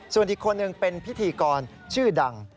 ส่วนอีกคนหนึ่งเป็นพิธีกรชื่อดัง